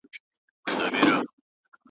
چي څه عقل یې درلودی هغه خام سو .